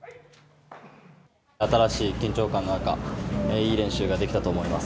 新しい緊張感の中、いい練習ができたと思います。